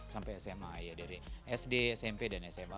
sampai sma ya dari sd smp dan sma